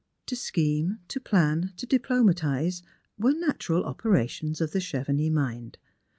To scheme, to plan, to diplomatise, were natural operations of the Chevenix mind.